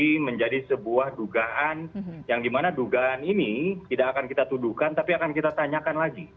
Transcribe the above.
jadi ini menjadi sebuah dugaan yang dimana dugaan ini tidak akan kita tuduhkan tapi akan kita tanyakan lagi